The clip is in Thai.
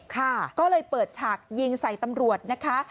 ค่ะก็เลยเปิดฉากยิงใส่ตำรวจนะคะ